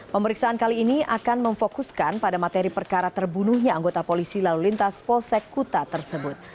pemeriksaan kali ini akan memfokuskan pada materi perkara terbunuhnya anggota polisi lalu lintas polsek kuta tersebut